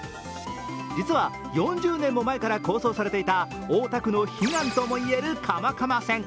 実は４０年も前から構想されていた大田区の悲願ともいえる蒲蒲線。